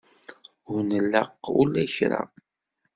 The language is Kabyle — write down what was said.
Ur nlaq ula i kra.